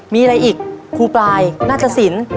มีอะไรอีกครูปลายนาฏศิลป์